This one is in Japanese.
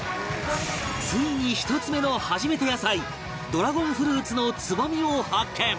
ついに１つ目の初めて野菜ドラゴンフルーツのつぼみを発見